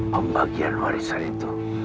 pembagian warisan itu